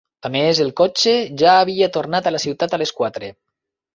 A més, el cotxe ja havia tornat a la ciutat a les quatre.